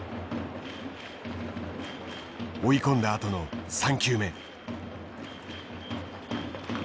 追い込んだあとの３球目。